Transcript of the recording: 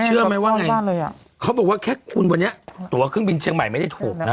เหนือมากลำปางเชียงใหม่เขาบอกว่าแค่ฝุ่นวันนี้ตัวเครื่องบินเชียงใหม่ไม่ได้ถูกนะ